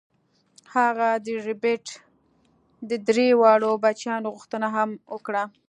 هغه د ربیټ د درې واړو بچیانو غوښتنه هم وکړه